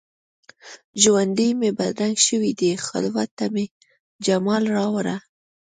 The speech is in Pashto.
ژوند مي بدرنګ شوی دي، خلوت ته مي جمال راوړه